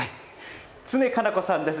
常加奈子さんです。